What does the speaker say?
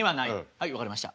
はい分かりました。